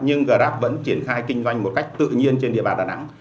nhưng grab vẫn triển khai kinh doanh một cách tự nhiên trên địa bàn đà nẵng